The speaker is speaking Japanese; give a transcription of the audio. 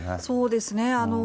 そうですね。